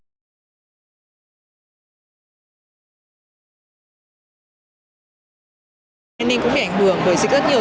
tùng đai ninh cũng bị ảnh hưởng bởi dịch rất nhiều